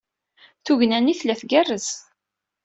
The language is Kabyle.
Tugna-nni tella tgerrez.